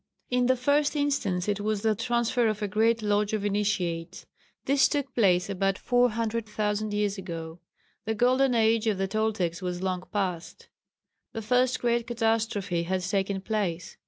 In the first instance it was the transfer of a great Lodge of initiates. This took place about 400,000 years ago. The golden age of the Toltecs was long past. The first great catastrophe had taken place.